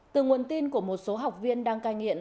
từ nguồn tin của một số học viên đang cai nghiện